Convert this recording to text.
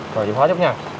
rồi chịu khói chút nha